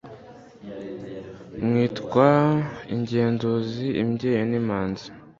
Mwitwa ingenduzi imbyeyi n'imanzi